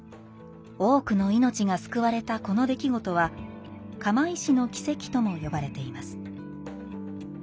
多くの命が救われたこの出来事は「釜石の奇跡」とも呼ばれています。